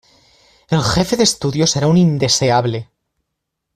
El jefe de estudios era un indeseable.